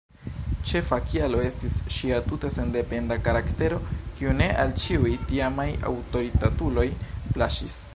Ĉefa kialo estis ŝia tute sendependa karaktero, kiu ne al ĉiuj tiamaj aŭtoritatuloj plaĉis.